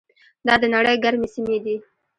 دا د نړۍ ګرمې سیمې دي.